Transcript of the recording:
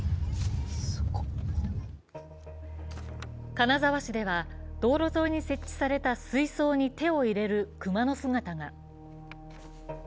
金沢市では道路沿いに設置された水槽に手を入れる熊の姿が。